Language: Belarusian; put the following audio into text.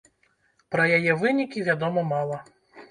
Пра яе вынікі вядома мала.